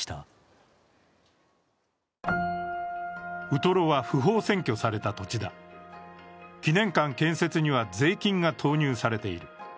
ウトロは不法占拠された土地だ、祈念館建設には税金が投入されている。